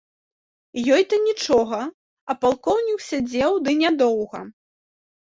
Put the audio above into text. Ёй то нічога, а палкоўнік сядзеў, ды нядоўга.